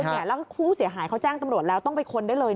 แล้วผู้เสียหายเขาแจ้งตำรวจแล้วต้องไปค้นได้เลย